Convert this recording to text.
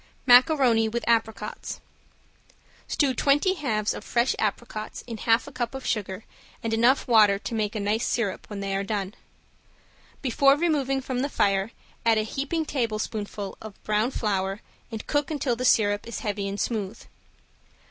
~MACARONI WITH APRICOTS~ Stew twenty halves of fresh apricots in half a cup of sugar and enough water to make a nice sirup when they are done. Before removing from the fire add a heaping tablespoonful of brown flour and cook until the sirup is heavy and smooth.